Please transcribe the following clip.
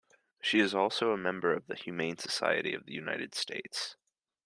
She is also a member of the Humane Society of the United States.